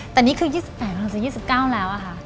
แต่นี่คือ๒๘เราจะ๒๙แล้วอะค่ะ